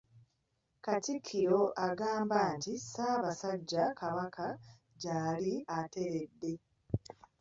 Katikkiro abagamba nti Ssaabasajja Kabaka gyali ateredde.